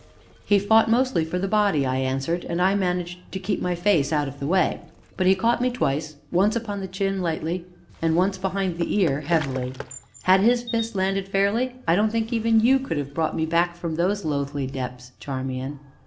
"He fought mostly for the body," I answered, "and I managed to keep my face out of the way; but he caught me twice once upon the chin, lightly, and once up behind the ear, heavily; had his fist landed fairly I don't think even you could have brought me back from those loathly depths, Charmian."